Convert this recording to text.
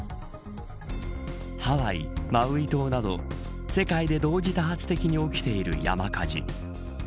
ハワイ・マウイ島など世界で同時多発的に起きている山火事。